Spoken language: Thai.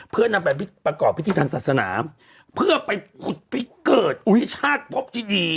เพื่อนำไปประกอบพิธีทางศาสนาเพื่อไปทุกติดเกิดอุติศาสตร์พบที่ดี